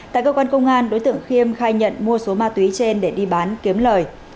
tại cơ quan công an đối tượng khiêm khai nhận mua số ma túy trên để đi bán kiếm lời